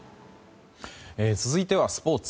続いてはスポーツ。